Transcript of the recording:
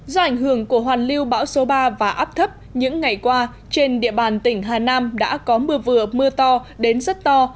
do ảnh hưởng của hoàn lưu bão số ba và áp thấp những ngày qua trên địa bàn tỉnh hà nam đã có mưa vừa mưa to đến rất to